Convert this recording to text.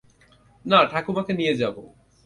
না ঠাকুমাকে নিয়ে যাব।